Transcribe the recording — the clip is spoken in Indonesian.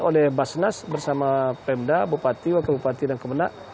oleh basnas bersama pemda bupati wakil bupati dan kemenang